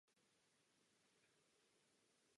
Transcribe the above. Na přelomu století však došlo k oživení průmyslu.